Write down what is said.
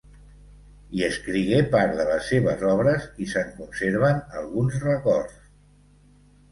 Hi escrigué part de les seves obres i se'n conserven alguns records.